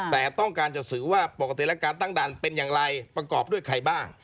แต่ต้องการจะสื่อว่าปกติแล้วการตั้งด่านเป็นอย่างไรประกอบด้วยใครบ้าง